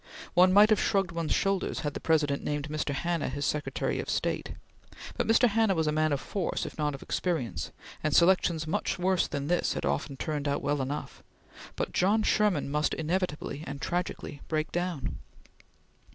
One might have shrugged one's shoulders had the President named Mr. Hanna his Secretary of State, for Mr. Hanna was a man of force if not of experience, and selections much worse than this had often turned out well enough; but John Sherman must inevitably and tragically break down.